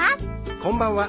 こんばんは。